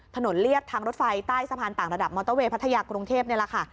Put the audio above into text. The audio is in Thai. ถนนเรียกทางรถไฟใต้สะพานต่างระดับมอเตอร์เวย์พัทยากรุงเทพ